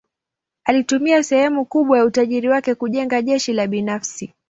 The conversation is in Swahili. Alitumia sehemu kubwa ya utajiri wake kujenga jeshi la binafsi.